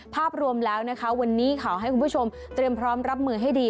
ภาพรวมแล้วนะคะวันนี้ขอให้คุณผู้ชมเตรียมพร้อมรับมือให้ดี